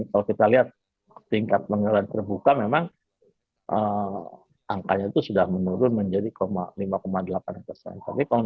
kalau kita lihat tingkat pengenalan terbuka memang angkanya itu sudah menurun menjadi lima delapan persen